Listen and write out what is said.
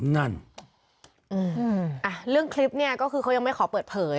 นั่นเรื่องคลิปเนี่ยก็คือเขายังไม่ขอเปิดเผย